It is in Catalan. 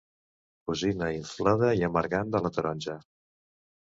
Cosina inflada i amargant de la taronja.